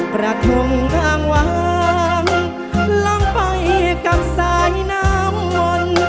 กระทงทางวางลงไปกับสายน้ำมนต์